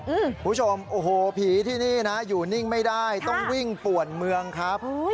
คุณผู้ชมโอ้โหผีที่นี่นะอยู่นิ่งไม่ได้ต้องวิ่งป่วนเมืองครับ